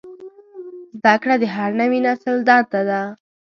زدهکړه د هر نوي نسل دنده ده.